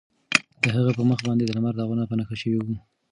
د هغه په مخ باندې د لمر داغونه په نښه شوي وو.